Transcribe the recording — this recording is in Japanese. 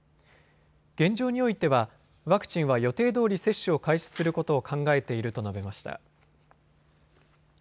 現状においてはワクチンは予定どおり接種を開始することを考えていると述べました。